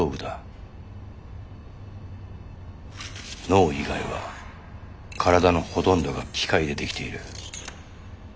脳以外は体のほとんどが機械で出来ている。